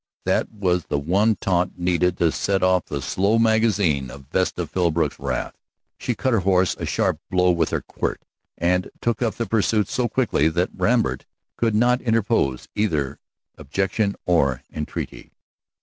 That was the one taunt needed to set off the slow magazine of Vesta Philbrook's wrath. She cut her horse a sharp blow with her quirt and took up the pursuit so quickly that Lambert could not interpose either objection or entreaty.